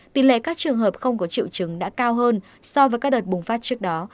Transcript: tỷ lệ các trường hợp không có triệu chứng đã cao hơn so với các đợt bùng phát trước đó